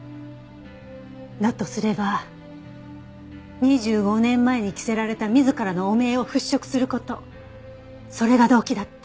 だとすれば２５年前に着せられた自らの汚名を払拭する事それが動機だった。